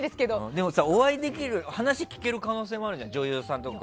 でもお会いできる、話聞ける可能性もあるじゃない？